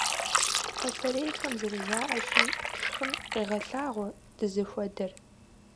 Пасэрейхэм зэрыжаӀащи, «тшхым къегъэлъагъуэ дызыхуэдэр».